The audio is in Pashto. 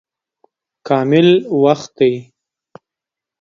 کامل وخت دی.